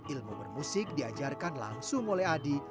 ilmu bermusik diajarkan langsung oleh adi